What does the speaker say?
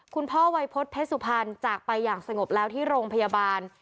คุณพ่อไวพจน์เพศสุพรรณจากไปอย่างสงบแล้วที่โรงพยาบาล